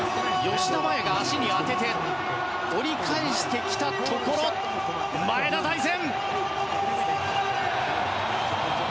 吉田麻也が足に当てて折り返してきたところ前田大然！